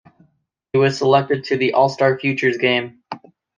He was selected to the All-Star Futures Game.